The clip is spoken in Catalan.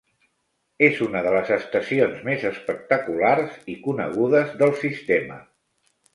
És una de les estacions més espectaculars i conegudes del sistema.